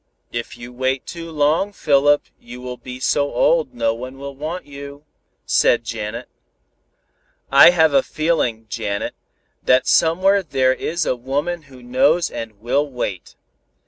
"If you wait too long, Philip, you will be so old, no one will want you," said Janet. "I have a feeling, Janet, that somewhere there is a woman who knows and will wait.